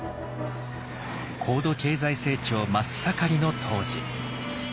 高度経済成長真っ盛りの当時。